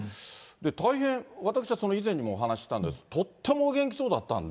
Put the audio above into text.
大変、私は以前にもお話したんですけど、とってもお元気そうだったんで。